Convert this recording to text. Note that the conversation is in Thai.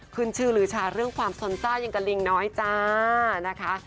ขึ้นชื่อลื้อชาเรื่องความสนซ่าอย่างกับลิงน้อยจ้านะคะ